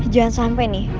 jangan sampai nih